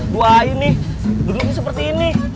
dua ini duduknya seperti ini